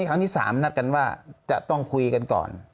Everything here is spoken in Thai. ครั้งที่๓นัดกันว่าจะต้องคุยกันก่อน